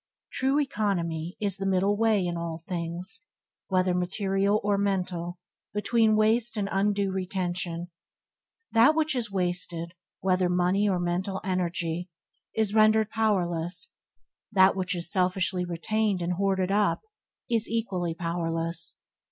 True economy is the middle way in all things, whether material or mental, between waste and undue retention. That which is wasted, whether money or mental energy, is rendered powerless; that which is selfishly retained and hoarded up, is equally powerless.